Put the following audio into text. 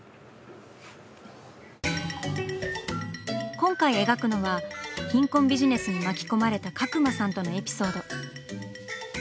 今回描くのは貧困ビジネスに巻き込まれた角間さんとのエピソード。